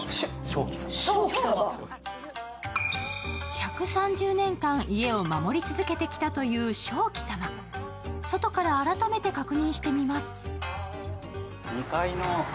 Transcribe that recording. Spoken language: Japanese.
１３０年間家を守り続けてきたという鍾馗様、外から改めて確認してみます。